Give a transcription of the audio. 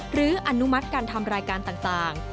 อนุมัติการทำรายการต่าง